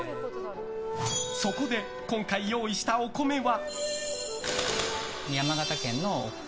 そこで今回、用意したお米は。